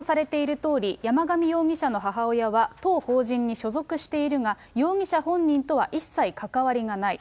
広報担当者によりますと、報道されているとおり、山上容疑者の母親は、当法人に所属しているが、容疑者本人とは一切関わりがない。